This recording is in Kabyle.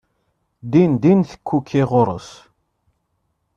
Din din tekkuki ɣur-s.